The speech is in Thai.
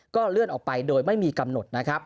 เลื่อนออกไปโดยไม่มีกำหนดนะครับ